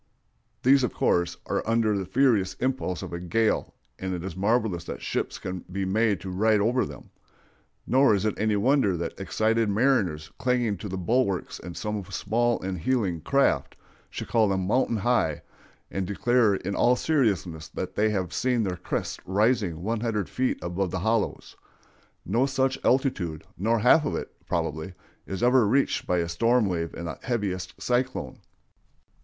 These, of course, are under the furious impulse of a gale, and it is marvelous that ships can be made to ride over them; nor is it any wonder that excited mariners clinging to the bulwarks of some small and heeling craft, should call them "mountain high," and declare in all seriousness that they have seen their crests rising one hundred feet above their hollows. No such altitude, nor half of it, probably, is ever reached by a storm wave in the heaviest cyclone.